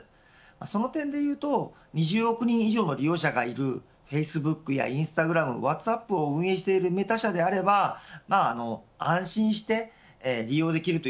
その点でいうと２０億人以上の利用者がいるフェイスブックやインスタグラムワッツアップを運営しているメタ社であれば安心して利用できると